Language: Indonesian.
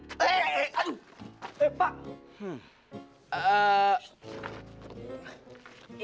ngapain kalian berdua lompat lompat di halaman sekolah